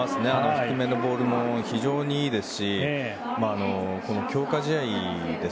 低めのボールも非常にいいですし強化試合